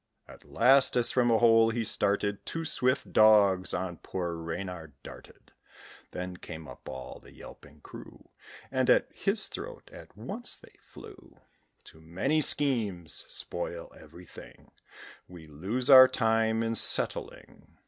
At last, as from a hole he started, Two swift dogs on poor Reynard darted; Then came up all the yelping crew, And at his throat at once they flew. Too many schemes spoil everything, We lose our time in settling.